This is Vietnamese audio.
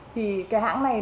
thì cái hãng này